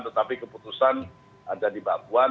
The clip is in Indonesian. tetapi keputusan ada di mbak puan